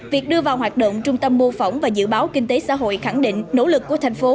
việc đưa vào hoạt động trung tâm mô phỏng và dự báo kinh tế xã hội khẳng định nỗ lực của thành phố